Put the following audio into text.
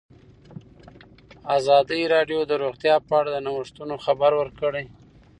ازادي راډیو د روغتیا په اړه د نوښتونو خبر ورکړی.